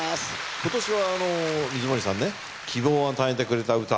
今年はあの水森さんね希望を与えてくれた歌。